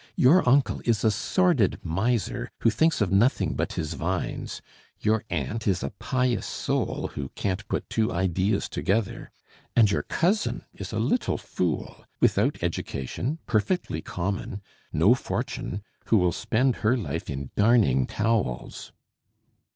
Your uncle is a sordid miser who thinks of nothing but his vines; your aunt is a pious soul who can't put two ideas together; and your cousin is a little fool, without education, perfectly common, no fortune, who will spend her life in darning towels."